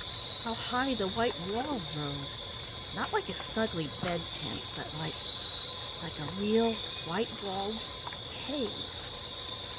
How high the white walls rose! Not like a snuggly bed tent, but like like a real white walled cave.